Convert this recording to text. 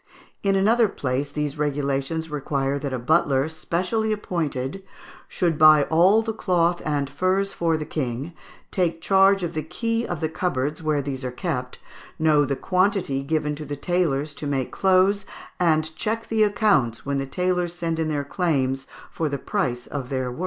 In another place these regulations require that a butler, specially appointed, "should buy all the cloth and furs for the king, take charge of the key of the cupboards where these are kept, know the quantity given to the tailors to make clothes, and check the accounts when the tailors send in their claims for the price of their work."